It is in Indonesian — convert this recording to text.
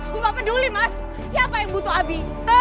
gue gak peduli mas siapa yang butuh abi